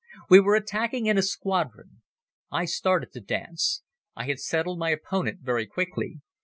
We were attacking in a squadron. I started the dance. I had settled my opponent very quickly.